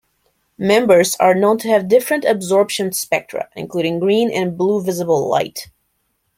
Members are known to have different absorption spectra including green and blue visible light.